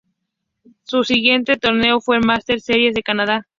Su siguiente torneo fue el Masters Series de Canadá.